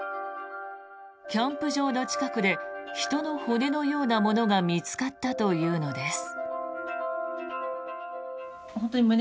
キャンプ場の近くで人の骨のようなものが見つかったというのです。